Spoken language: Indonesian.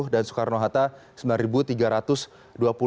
dan soekarno hatta rp sembilan tiga ratus dua puluh